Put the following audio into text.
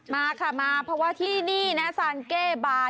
มาค่ะมาเพราะว่าที่นี่นะซานเก้บาย